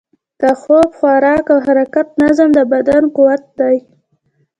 د خوب، خوراک او حرکت نظم، د بدن قوت دی.